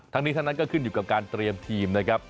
ทั้งนี้ทั้งนั้นก็ขึ้นอยู่กับการเตรียมทีมนะครับ